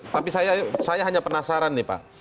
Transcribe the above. tapi saya hanya penasaran nih pak